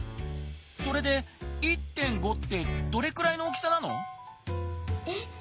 それで「１．５」ってどれくらいの大きさなの？え？